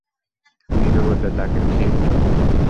নীরবতা তাকে ছেয়ে ফেলে।